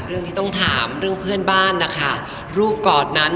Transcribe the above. เรื่องต้องถามเพื่อนบ้านรูปเกาะนั้น